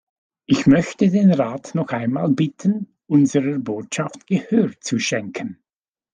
Ich möchte den Rat noch einmal bitten, unserer Botschaft Gehör zu schenken.